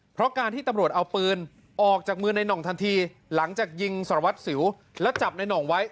เพราะการที่ตำรวจเอาปืนออกจากมือในหน่องทันทีหลังจากยิงสารวัตรสิวแล้วจับในหน่องไว้